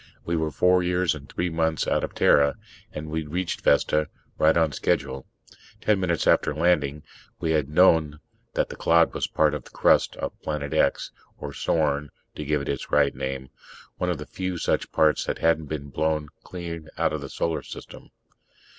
We were four years and three months out of Terra, and we'd reached Vesta right on schedule. Ten minutes after landing, we had known that the clod was part of the crust of Planet X or Sorn, to give it its right name one of the few such parts that hadn't been blown clean out of the Solar System.